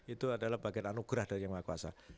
itu adalah bagian anugerah dari yang maha kuasa